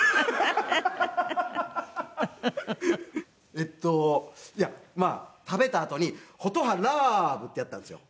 えっといやまあ食べたあとに「ほとはらーぶ」ってやったんですよ。